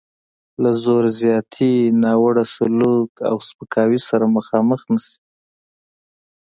له زور زیاتي، ناوړه سلوک او سپکاوي سره مخامخ نه شي.